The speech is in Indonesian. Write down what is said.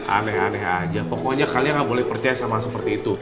aneh aneh aja pokoknya kalian nggak boleh percaya sama seperti itu